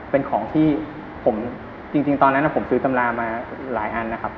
เป็นของที่ผมจริงตอนนั้นผมซื้อตำรามาหลายอันนะครับ